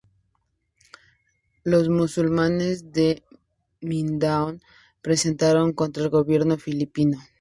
Los musulmanes de Mindanao protestaron contra el gobierno filipino.